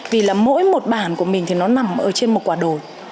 vì là mỗi một bản của mình thì nó nằm ở trên một quả đồi